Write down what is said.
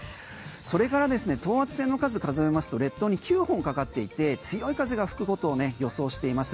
それから等圧線の数数えますと列島に９本かかっていて強い風が吹く事を予想しています。